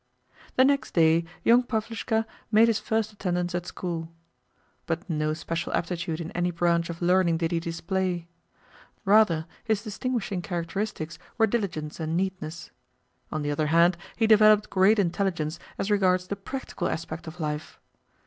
The next day young Pavlushka made his first attendance at school. But no special aptitude in any branch of learning did he display. Rather, his distinguishing characteristics were diligence and neatness. On the other hand, he developed great intelligence as regards the PRACTICAL aspect of life.